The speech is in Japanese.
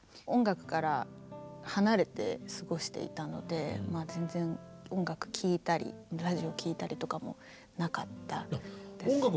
音楽から離れて過ごしていたので全然音楽聴いたりラジオ聴いたりとかもなかったです。